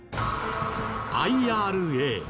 ＩＲＡ。